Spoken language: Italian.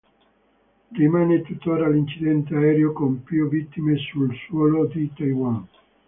Rimane tuttora l'incidente aereo con più vittime sul suolo di Taiwan.